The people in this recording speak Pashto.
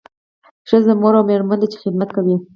ښځه مور او میرمن ده چې خدمت کوي